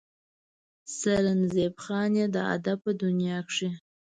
سرنزېب خان چې د ادب پۀ دنيا کښې